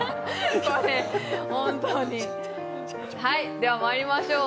ではまりいましょう。